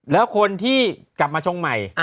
แล้วคนที่กลับมาชงใหม่